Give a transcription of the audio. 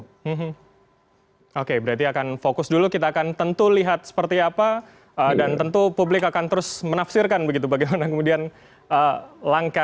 hmm oke berarti akan fokus dulu di solo masih banyak pr pr di solo yang harus saya selesaikan saya belum kena dua tahun lho